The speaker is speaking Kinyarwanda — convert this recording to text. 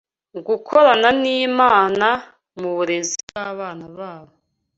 gukorana n’Imana mu burezi bw’abana babo